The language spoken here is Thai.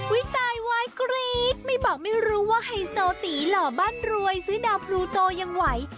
ตายไว้กรี๊ดไม่บอกไม่รู้ว่าไฮโซตีหล่อบ้านรวยซื้อดาวพลูโตยังไหว